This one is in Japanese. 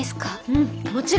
うんもちろん。